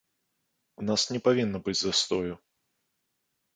У нас не павінна быць застою.